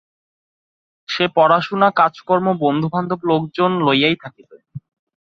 সে পড়াশুনা কাজকর্ম বন্ধুবান্ধব লোকজন লইয়াই থাকিত।